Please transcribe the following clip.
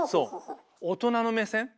大人の目線？